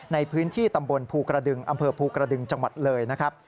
ในพื้นที่ตำบลภูกระดึงอำเภอภูกระดึงจังหวัดเลยนะครับ